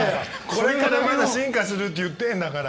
これからまだ進化するって言ってるんだから。